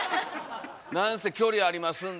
「なんせ距離ありますんで」